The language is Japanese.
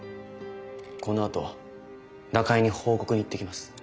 このあと中江に報告に行ってきます。